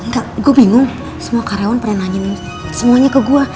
kak gue bingung semua karyawan pernah nanya semuanya ke gue